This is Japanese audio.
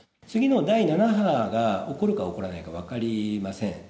次の第７波が、起こるか起こらないか分かりません。